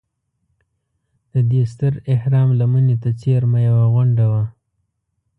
د دې ستر اهرام لمنې ته څېرمه یوه غونډه وه.